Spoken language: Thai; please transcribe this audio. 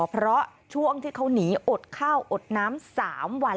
เพราะช่วงที่เขาหนีอดข้าวอดน้ำ๓วัน